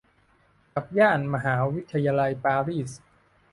กับย่านมหาวิทยาลัยปารีส